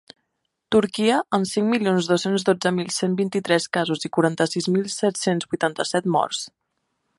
Turquia, amb cinc milions dos-cents dotze mil cent vint-i-tres casos i quaranta-sis mil set-cents vuitanta-set morts.